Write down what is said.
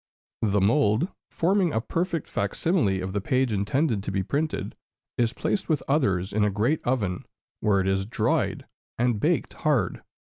The mould, forming a perfect fac simile of the page intended to be printed, is placed with others in a great oven, where it is dried and baked hard.